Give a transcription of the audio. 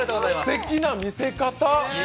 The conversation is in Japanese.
すてきな見せ方。